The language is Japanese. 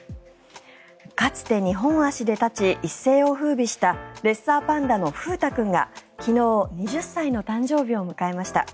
かつて二本足で立ち一世を風靡したレッサーパンダの風太君が昨日、２０歳の誕生日を迎えました。